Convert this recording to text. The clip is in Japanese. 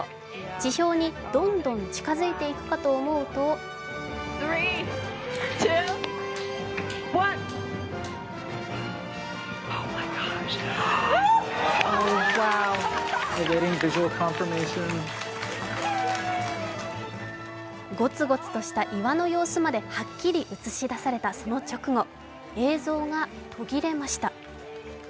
地表にどんどん近づいていくかと思うとゴツゴツとした岩の様子まではっきり映し出されたその直後、映像が途切れました。